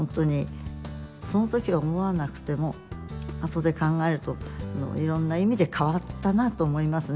その時は思わなくても後で考えるといろんな意味で変わったなと思いますね。